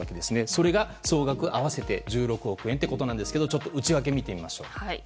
それが総額合わせて１６億円ということですがちょっと内訳を見てみましょう。